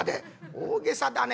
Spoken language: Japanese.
「大げさだね」。